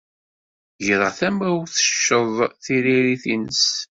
Greɣ tamawt tecceḍ tiririt-nnes.